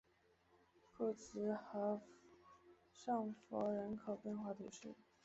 库兹和圣弗龙人口变化图示